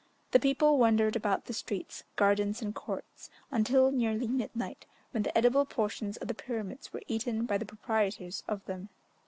The people wandered about the streets, gardens, and courts, until nearly midnight, when the edible portions of the pyramids were eaten by the proprietors of them.